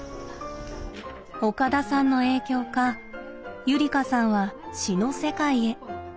岡田さんの影響かゆりかさんは詩の世界へ。